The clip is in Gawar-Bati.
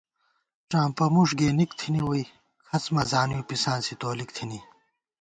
ڄامپہ مُݭ گېنِک تھنی ووئی ، کھڅ مہ زانِؤ، پِسانسی تولِک تھنی